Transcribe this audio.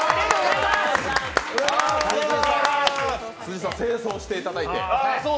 辻井さん、正装していただいて。